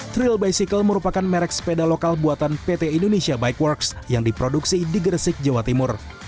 thrill bicycle merupakan merek sepeda lokal buatan pt indonesia bike works yang diproduksi di gresik jawa timur